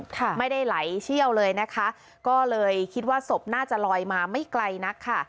ค่ะไม่ได้ไหลเชี่ยวเลยนะคะก็เลยคิดว่าศพน่าจะลอยมาไม่ไกลนักค่ะ